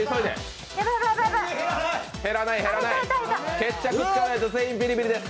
決着つかないと全員ビリビリです。